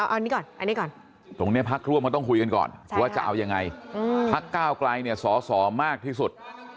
อันนี้ก่อนตรงเนี้ยภาคร่วมต้องคุยกันก่อนว่าจะเอายังไงพักก้าวกลายเนี่ยสอสอมากที่สุด